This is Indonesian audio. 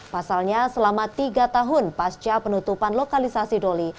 pasalnya selama tiga tahun pasca penutupan lokalisasi doli